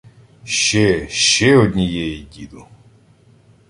— Ще, ще однієї, діду!